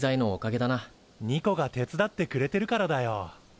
ニコが手伝ってくれてるからだよ。